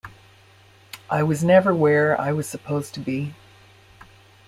I was never where I was supposed to be.